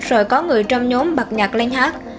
rồi có người trong nhóm bạc nhạc lên hát